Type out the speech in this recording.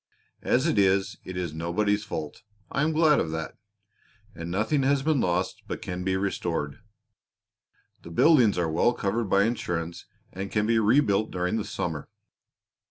As it is, it is nobody's fault I am glad of that and nothing has been lost but can be restored. The buildings are well covered by insurance and can be rebuilt during the summer.